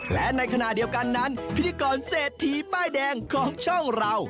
และในขณะเดียวกันนั้นพิธีกรเศรษฐีป้ายแดงของช่องเรา